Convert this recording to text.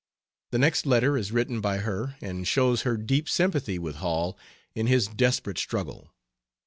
The next letter is written by her and shows her deep sympathy with Hall in his desperate struggle.